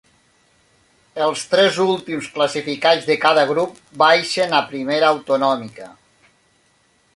Els tres últims classificats de cada grup baixen a Primera Autonòmica.